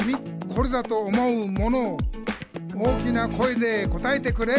「これだと思うものを大きな声で答えてくれ！」